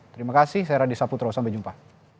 terima kasih saya radi saputro sampai jumpa